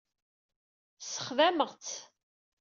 Sexdameɣ-tt.